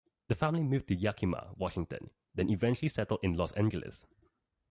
The family moved to Yakima, Washington, then eventually settled in Los Angeles.